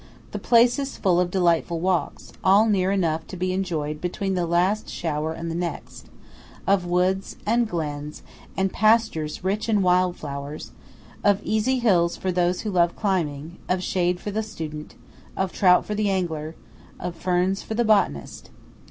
The place is full of delightful walks, all near enough to be enjoyed between the last shower and the next; of woods, and glens, and pastures rich in wild flowers; of easy hills for those who love climbing; of shade for the student; of trout for the angler; of ferns for the botanist.